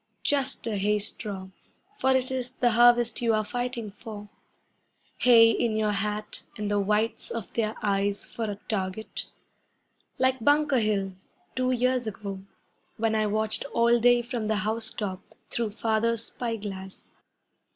Just a hay straw, for it is the harvest you are fighting for. Hay in your hat, and the whites of their eyes for a target! Like Bunker Hill, two years ago, when I watched all day from the house top Through Father's spy glass.